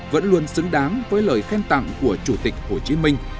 vẫn luôn xứng đáng với lời khen tặng của chủ tịch hồ chí minh